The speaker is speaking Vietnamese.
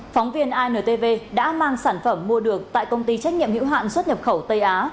phóng viên intv đã mang sản phẩm mua được tại công ty trách nhiệm hữu hạn xuất nhập khẩu tây á